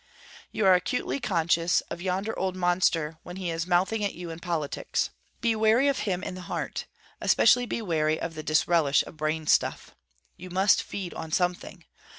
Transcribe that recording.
You are acutely conscious of yonder old monster when he is mouthing at you in politics. Be wary of him in the heart; especially be wary of the disrelish of brainstuff. You must feed on something.